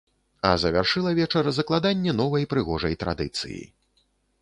А завяршыла вечар закладанне новай прыгожай традыцыі.